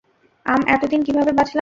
আম এতদিন কীভাবে বাঁচলাম?